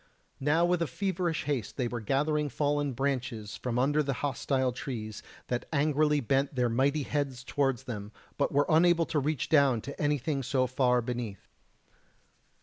Now with feverish haste they were gathering fallen branches from under the hostile trees, that angrily bent their mighty heads towards them, but were unable to reach down to anything so far beneath.